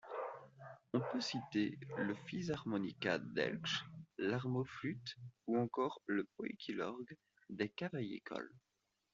On peut citer le physharmonica d'Haeckl, l'harmoniflûte ou encore le poïkilorgue des Cavaillé-Coll.